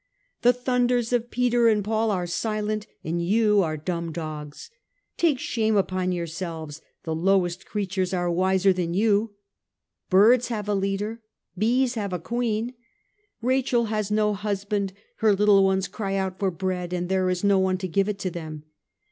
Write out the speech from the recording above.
The thunders of Peter and Paul are silent and you are dumb dogs. Take shame upon yourselves ! the lowest creatures are wiser than you ! birds have a leader ; bees have a queen. Rachel has no husband ; her little ones cry out for bread and there is no one to give it them.